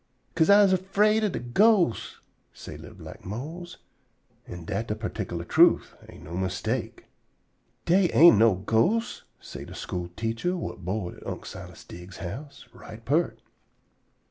"'Ca'se I's afraid ob de ghosts," say li'l black Mose, an' dat de particular truth an' no mistake. "Dey ain't no ghosts," say de school teacher, whut board at Unc' Silas Diggs's house, right peart.